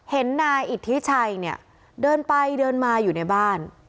เห็นนายอิทธิชัยเนี่ยเดินไปเดินมาอยู่ในบ้าน